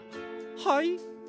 はい？